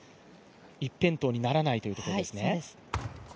一辺倒にならないということですね。